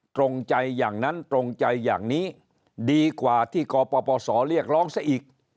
ตรงใจอย่างนั้นตรงใจอย่างนี้ดีกว่าที่กปศเรียกร้องซะอีก